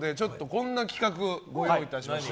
こんな企画、ご用意いたしました。